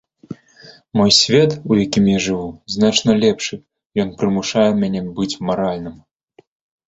Мой свет, у якім я жыву, значна лепшы, ён прымушае мяне быць маральным.